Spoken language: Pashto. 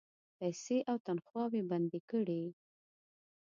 پیسې او تنخواوې بندي کړې.